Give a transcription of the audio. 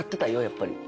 やっぱり。